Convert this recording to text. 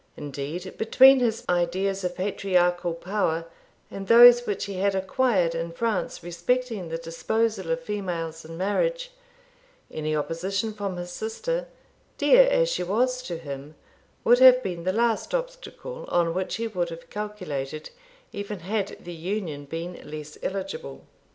Indeed, between his ideas of patriarchal power and those which he had acquired in France respecting the disposal of females in marriage, any opposition from his sister, dear as she was to him, would have been the last obstacle on which he would have calculated, even had the union been less eligible.